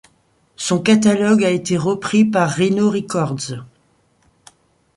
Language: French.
Son catalogue a été repris par Rhino Records.